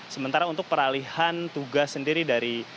sementara untuk peralihan tugas sendiri dari